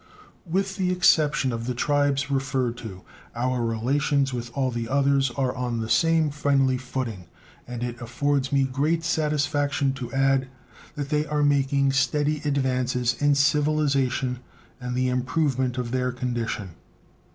With the exception of the tribes referred to, our relations with all the others are on the same friendly footing, and it affords me great satisfaction to add that they are making steady advances in civilization and the improvement of their condition.